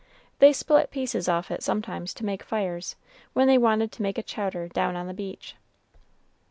They split pieces off it sometimes to make fires, when they wanted to make a chowder down on the beach."